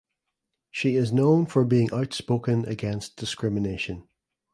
She is known for being outspoken against discrimination.